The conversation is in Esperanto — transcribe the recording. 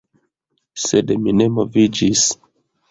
Sed mi ne moviĝis.